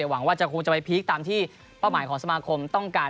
หวังว่าจะคงจะไปพีคตามที่เป้าหมายของสมาคมต้องการ